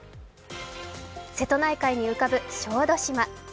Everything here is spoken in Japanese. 瀬戸内海に浮かぶ小豆島。